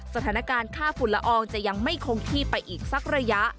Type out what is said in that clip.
สถานการณ์ค่าฝุ่นละอองจะยังไม่คงที่ไปอีกสักระยะ